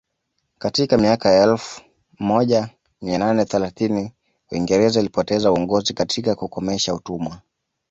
Katika miaka ya elfu moja mia nane thelathini Uingereza ilipoteza uongozi katika kukomesha utumwa